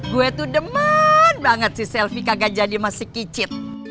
gue tuh demen banget si selfie kagak jadi sama si kicit